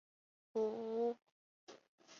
两人育有两男两女。